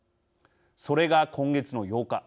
それが今月の８日。